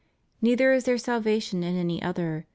Neither is there salvation in any other.